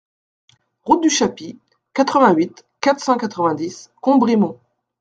Route du Chapis, quatre-vingt-huit, quatre cent quatre-vingt-dix Combrimont